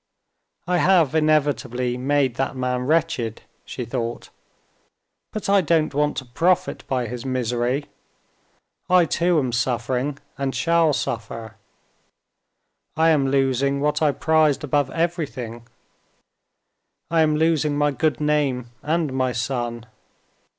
"I have inevitably made that man wretched," she thought; "but I don't want to profit by his misery. I too am suffering, and shall suffer; I am losing what I prized above everything—I am losing my good name and my son.